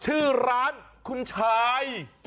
ชื่อร้านคุณชาย